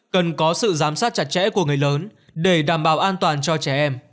cần có sự giám sát chặt chẽ của người lớn để đảm bảo an toàn cho trẻ em